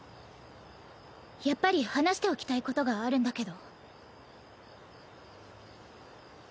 やっぱり話しておきたいことがあるんだけど。